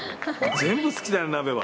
全部好きだよ、鍋は。